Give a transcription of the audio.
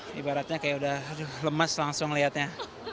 aduh kayak ibaratnya kayak udah lemas langsung lihatnya